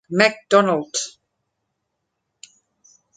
Macdonald.